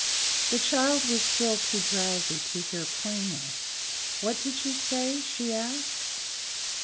The child was still too drowsy to hear plainly. "What did you say?" she asked.